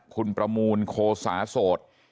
คุณประมูลโคสาโสด